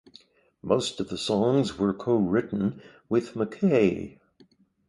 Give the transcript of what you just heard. Most of the songs were co-written with McKay.